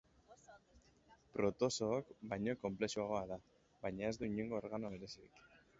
Protozooak baino konplexuagoa da, baina ez du inongo organo berezirik.